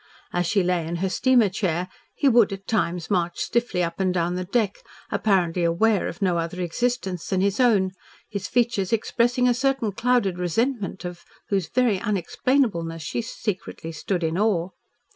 As she lay in her steamer chair he would at times march stiffly up and down the deck, apparently aware of no other existence than his own, his features expressing a certain clouded resentment of whose very unexplainableness she secretly stood in awe.